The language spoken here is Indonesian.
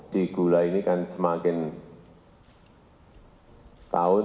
si gula ini kan semakin tahun